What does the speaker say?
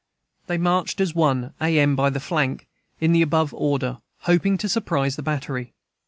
They marched at one A. M., by the flank, in the above order, hoping to surprise the battery.